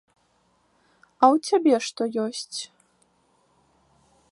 А ў цябе што ёсць?